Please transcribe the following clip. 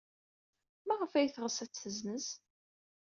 Maɣef ay teɣs ad tt-tessenz?